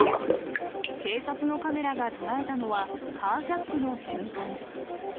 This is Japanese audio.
警察のカメラが捉えたのは、カージャックの瞬間。